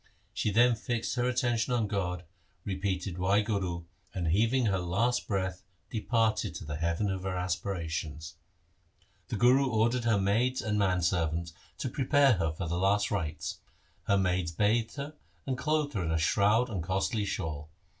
She then fixed her attention on God, repeated ' Wahguru', and heaving her last breath departed to the heaven of her aspirations. The Guru ordered her maids and SIKH. IV H 9 8 THE SIKH RELIGION manservant to prepare her for the last rites. Her maids bathed her and clothed her in a shroud and costly shawl.